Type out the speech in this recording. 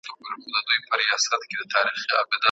د سیروټونین ټیټه کچه خپګان زیاتوي.